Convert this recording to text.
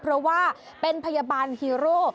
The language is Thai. เพราะว่าเป็นพยาบาลฮีโร่